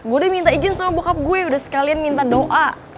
gue udah minta izin sama bokap gue udah sekalian minta doa